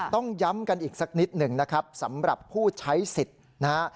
ต้องย้ำกันอีกสักนิดหนึ่งนะครับสำหรับผู้ใช้สิทธิ์นะฮะ